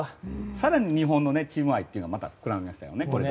更に日本のチーム愛がまた膨らみましたよね。